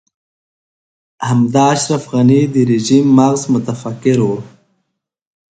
همدا اشرف غني د رژيم مغز متفکر و.